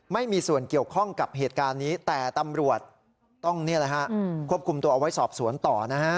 ไม่มีส่วนเกี่ยวข้องกับเหตุการณ์นี้แต่ตำรวจต้องควบคุมตัวเอาไว้สอบสวนต่อนะฮะ